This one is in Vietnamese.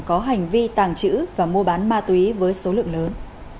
có hành vi tàng trữ và mua bán ma túy với số lượng lớn